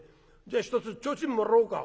じゃあ一つ提灯もらおうか。